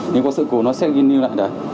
nếu có sự cố nó sẽ ghi lưu lại đây